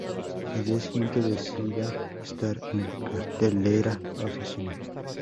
Al día siguiente decida estar en cartelera oficina.